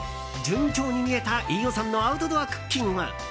順調に見えた飯尾さんのアウトドアクッキング。